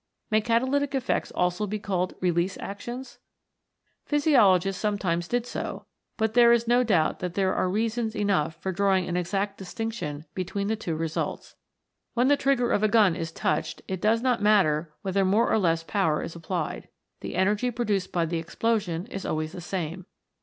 May catalytic effects also be called release actions ? Physiologists sometimes did so, but there is no doubt that there are reasons enough for drawing an exact distinction between the two results. When the trigger of a gun is touched, it does not matter whether more or less power is applied. The energy produced by the explosion is always the same.